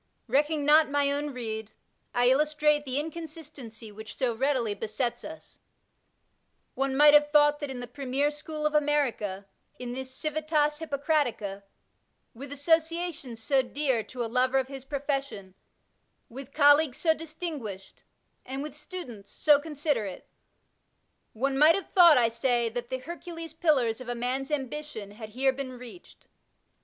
Recking not my own lede, I illustrate the inconsistency which so readily besets us; One might have thought that in the premier school of America, in this Givitas Hippocratica, with associations so dear to a lover of his profession, with colleagues so distinguished, and with students so considerate, one might have thought, I say, that the Hercules Pillars of a man's ambition had here been reached.